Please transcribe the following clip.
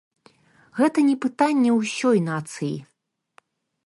Гэта не пытанне ўсёй нацыі.